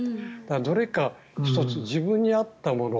どれか１つ自分に合ったもの。